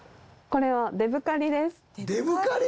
これは「デブカリ！？